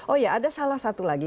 oh ya ada salah satu lagi